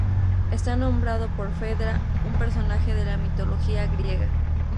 Está nombrado por Fedra, un personaje de la mitología griega.